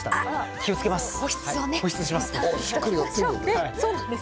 気をつけます。